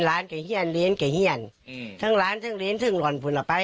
ร้านกับเฮียนเรียนกับเฮียนอืมทั้งร้านทั้งเรียนทั้งหล่อนฝุ่นออกไป